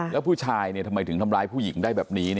แล้วผู้ชายทำไมถึงทำร้ายผู้หญิงได้แบบนี้